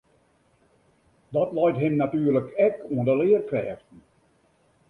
Dat leit him natuerlik ek oan de learkrêften.